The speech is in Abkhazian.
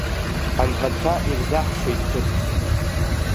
Анхацәа ирзаҳшеит ԥыҭк.